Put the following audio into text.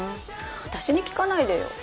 私に聞かないでよ